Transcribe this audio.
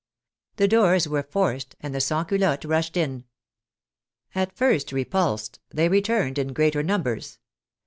The doors were forced, and the Sansculottes rushed in. At first re pulsed, they returned in greater numbers.